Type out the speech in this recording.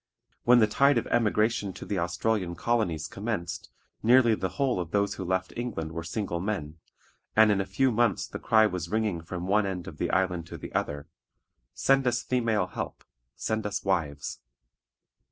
When the tide of emigration to the Australian colonies commenced, nearly the whole of those who left England were single men, and in a few months the cry was ringing from one end of the island to the other: "Send us female help, send us wives."